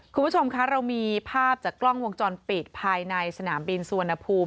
คุณผู้ชมคะเรามีภาพจากกล้องวงจรปิดภายในสนามบินสุวรรณภูมิ